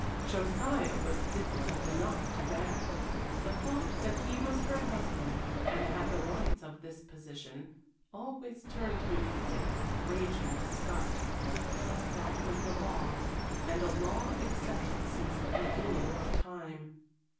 Josiah was difficult enough to bear. The thought that he was her husband, and had the rights of this position, always turned him sick with raging disgust; but that was the law, and a law accepted since the beginning of time.